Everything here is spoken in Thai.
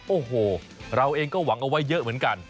โอ้โหเราเองก็หวังเอาไว้เยอะเหมือนกัน